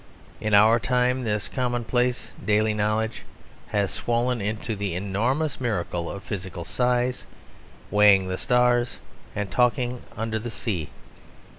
In our time this commonplace daily knowledge has swollen into the enormous miracle of physical size, weighing the stars and talking under the sea.